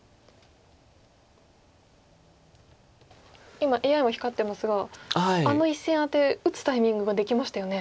今ＡＩも光ってますがあの１線アテ打つタイミングができましたよね。